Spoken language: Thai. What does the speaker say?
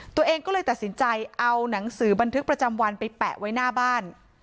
ตัวเองก็เลยตัดสินใจเอาหนังสือบันทึกประจำวันไปแปะไว้หน้าบ้าน